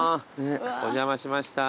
お邪魔しました。